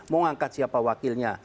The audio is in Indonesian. mau angkat siapa wakilnya